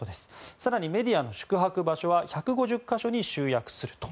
更にメディアの宿泊場所は１５０か所に集約すると。